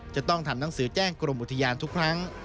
จะต้องทำหนังสือแจ้งกรมอุทยานทุกครั้ง